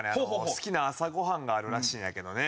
好きな朝ご飯があるらしいんやけどね。